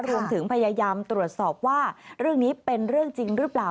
รวมถึงพยายามตรวจสอบว่าเรื่องนี้เป็นเรื่องจริงหรือเปล่า